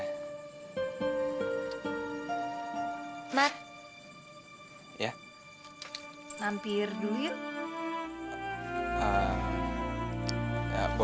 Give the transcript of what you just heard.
apa misalkan perempuan ibu